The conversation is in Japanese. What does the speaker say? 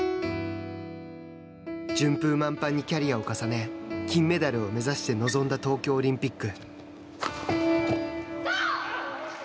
順風満帆にキャリアを重ね金メダルを目指して臨んだ東京オリンピック。